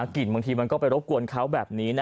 บางทีมันก็ไปรบกวนเขาแบบนี้นะ